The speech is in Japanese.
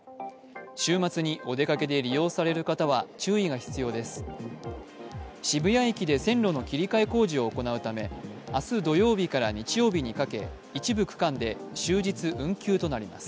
週末にお出かけで利用される方は注意が必要です。